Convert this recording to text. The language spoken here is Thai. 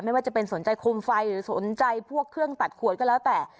ไม่ว่าจะเป็นสนใจคมไฟหรือสนใจพวกเครื่องตัดขวดก็แล้วแต่